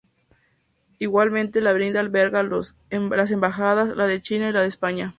Igualmente, la avenida alberga dos embajadas: la de China y la de España.